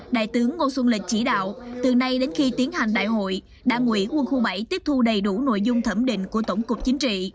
đại tướng ngô xuân lịch chỉ đạo từ nay đến khi tiến hành đại hội đảng ủy quân khu bảy tiếp thu đầy đủ nội dung thẩm định của tổng cục chính trị